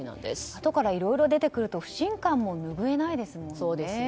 あとからいろいろ出てくると不信感も拭えないですもんね。